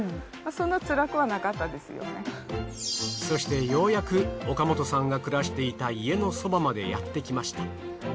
そしてようやく岡本さんが暮らしていた家のそばまでやってきました。